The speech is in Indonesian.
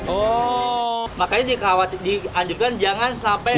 oh makanya dikawasi diandungkan jangan sampai